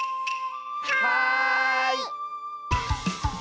はい！